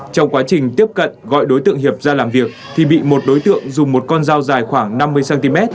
trong quá trình tiếp cận gọi đối tượng hiệp ra làm việc thì bị một đối tượng dùng một con dao dài khoảng năm mươi cm